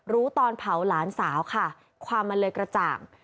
ตอนเผาหลานสาวค่ะความมันเลยกระจ่าง